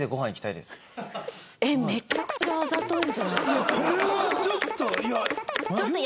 いやこれはちょっといや。